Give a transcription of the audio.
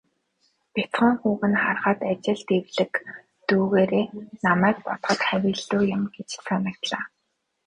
Бяцхан хүүг нь харахад, ажилд эвлэг дүйгээрээ намайг бодоход хавь илүү юм гэж санагдлаа.